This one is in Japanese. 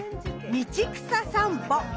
「道草さんぽ・春」。